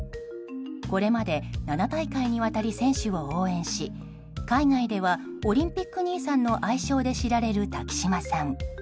これまで７大会にわたり選手を応援し海外ではオリンピック兄さんの愛称で知られる滝島さん。